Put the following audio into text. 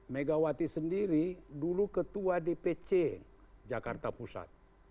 megawati sendiri dulu ketua dpc jakarta pusat